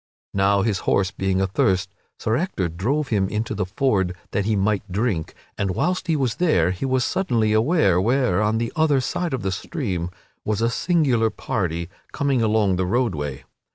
Now, his horse being athirst, Sir Ector drove him into the ford that he might drink, and whilst he was there he was suddenly aware where, on the other side of the stream, was a singular party coming along the roadway.